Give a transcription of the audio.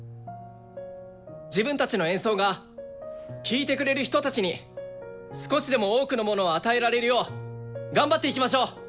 自分たちの演奏が聴いてくれる人たちに少しでも多くのものを与えられるよう頑張っていきましょう。